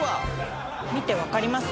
見て分かります？